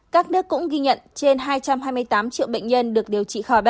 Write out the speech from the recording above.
các nước cũng ghi nhận trên hai trăm hai mươi tám triệu bệnh nhân được điều trị khá là cao